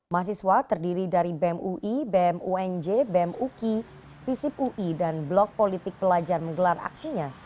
mahasiswa terdiri dari bem ui bem unj bem uki visip ui dan blok politik pelajar menggelar aksinya